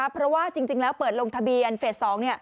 เพราะว่าจริงแล้วเปิดลงทะเบียนเฟส๒